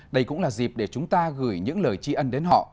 đây cũng là dịp để chúng ta gửi những lời tri ân đến họ